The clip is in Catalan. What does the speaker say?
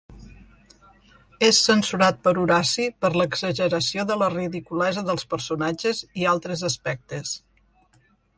És censurat per Horaci per l'exageració de la ridiculesa dels personatges i altres aspectes.